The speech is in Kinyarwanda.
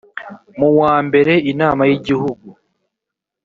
mu wambere inama y igihugu